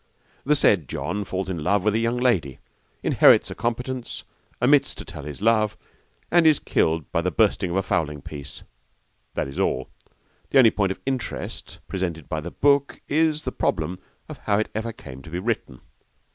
The said John falls in love with a young lady, inherits a competence, omits to tell his love, and is killed by the bursting of a fowling piece that is all. The only point of interest presented by the book is the problem as to how it ever came to be written.